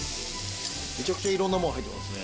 めちゃくちゃいろんなもの入ってますね。